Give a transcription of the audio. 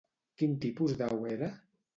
Quin tipus d'au era?